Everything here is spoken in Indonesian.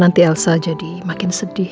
nanti elsa jadi makin sedih